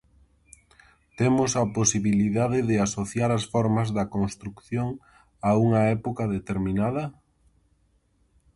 Temos a posibilidade de asociar as formas da construción a unha época determinada?